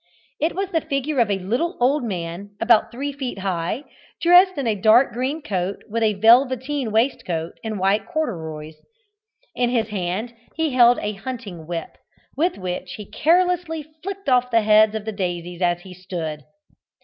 It was the figure of a little old man, about three feet high, dressed in a dark green coat, with a velveteen waistcoat and white corduroys. In his hand he held a hunting whip, with which he carelessly flicked off the heads of the daisies as he stood.